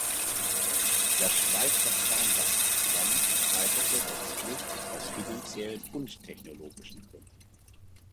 Das Schweizer Kernwaffenprogramm scheiterte letztlich aus finanziellen und technologischen Gründen.